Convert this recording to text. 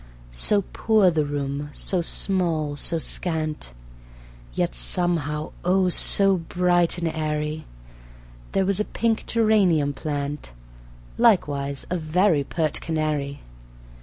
So poor the room, so small, so scant, Yet somehow oh, so bright and airy. There was a pink geranium plant, Likewise a very pert canary.